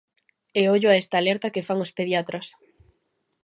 E ollo a esta alerta que fan os pediatras.